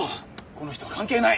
この人は関係ない。